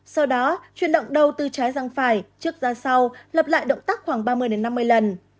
sau đó chuyển động đầu tư trái răng phải trước ra sau lập lại động tác khoảng ba mươi năm mươi lần